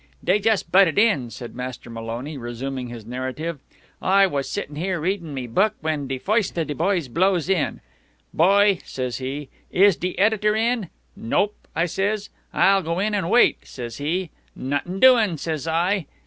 "Dey just butted in," said Master Maloney, resuming his narrative. "I was sittin' here, readin' me book, when de foist of de guys blows in. 'Boy,' says he, 'is de editor in?' 'Nope,' I says. 'I'll go in and wait,' says he. 'Nuttin' doin',' says I.